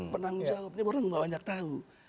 penanggung jawabnya orang gak banyak tau